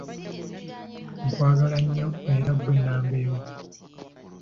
Nkwagala nnyo era ggwe nnamba emu.